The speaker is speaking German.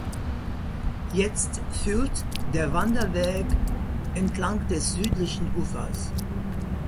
Jetzt führt der Wanderweg entlang des südlichen Ufers.